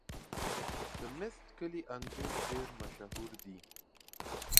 د میست کلي انګور ډېر مشهور دي.